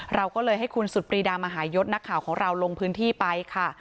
เราก็เลยให้คุณสุดปรีดามหายศนักข่าวของเราลงพื้นที่ไปค่ะ